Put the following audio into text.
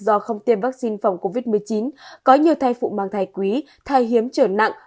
do không tiêm vaccine phòng covid một mươi chín có nhiều thay phụ mang thay quý thay hiếm trở nặng